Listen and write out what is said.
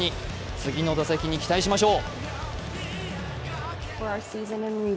次の打席に期待しましょう。